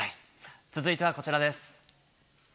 続いてはこちらです。